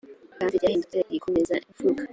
kandi ryahindutse irikomeza imfuruka